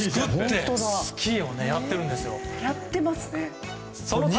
スキーをやってるんですよ。